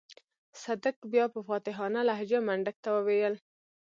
صدک بيا په فاتحانه لهجه منډک ته وويل.